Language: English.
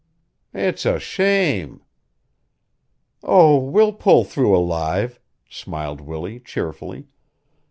"It's a shame!" "Oh, we'll pull through alive," smiled Willie, cheerfully.